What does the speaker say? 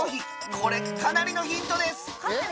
これかなりのヒントです